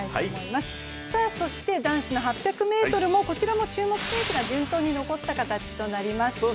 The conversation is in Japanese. そして男子の８００ｍも注目選手が順当に残った形となりました。